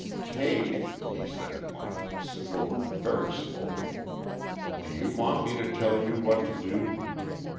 "Kate," he said, at length, slowly, very slowly, "do you want me to tell you what to do?"